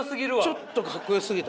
ちょっとかっこよすぎたかな。